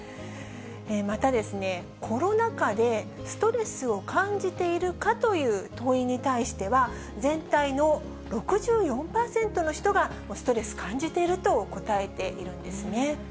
また、コロナ禍でストレスを感じているかという問いに対しては、全体の６４％の人が、ストレス感じていると答えているんですね。